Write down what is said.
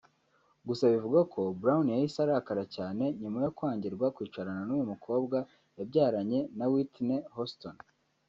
Gusa bivugwa ko Brown yahise arakara cyane nyuma yo kwangirwa kwicarana n’uyu mukobwa yabyaranye na Whitney Houston